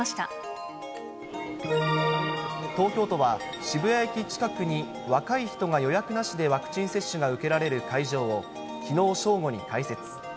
東京都は、渋谷駅近くに若い人が予約なしでワクチン接種が受けられる会場を、きのう正午に開設。